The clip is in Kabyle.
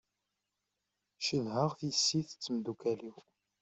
Cedhaɣ tissit d temdukal-iw.